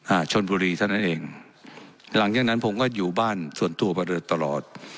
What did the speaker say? ชนบุรีเท่านั้นเองหลังจากนั้นผมก็อยู่บ้านส่วนตัวมาโดยตลอด